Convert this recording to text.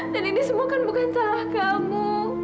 dan ini semua kan bukan salah kamu